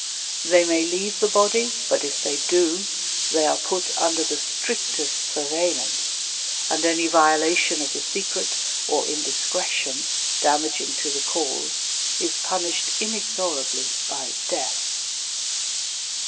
They may leave the body, but if they do, they are put under the strictest surveillance, and any violation of the secret or indiscretion, damaging to the cause, is punished inexorably by death.